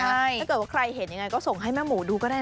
ถ้าเกิดว่าใครเห็นยังไงก็ส่งให้แม่หมูดูก็ได้